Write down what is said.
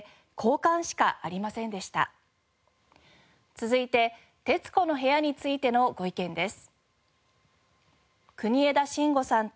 続いて『徹子の部屋』についてのご意見です。